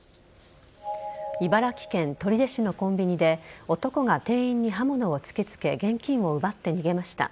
茨城県取手市のコンビニで男が店員に刃物を突きつけ現金を奪って逃げました。